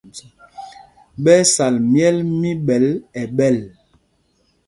Ɓɛ́ ɛ́ sal myɛ̌l mí Ɓɛ̂l ɛɓɛl.